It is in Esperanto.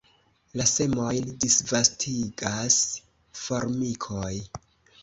La semojn disvastigas formikoj.